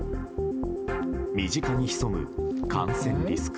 身近に潜む感染リスク。